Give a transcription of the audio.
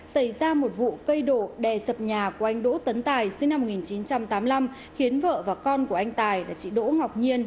xảy ra một vụ cây đổ đè sập nhà của anh đỗ tấn tài sinh năm một nghìn chín trăm tám mươi năm khiến vợ và con của anh tài là chị đỗ ngọc nhiên